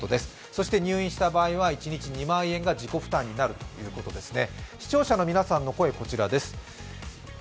そして入院した場合は一日２万円が自己負担になるということですね。